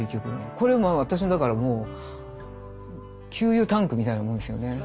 これ私のだからもう給油タンクみたいなものですよね。